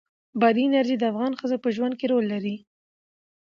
بادي انرژي د افغان ښځو په ژوند کې رول لري.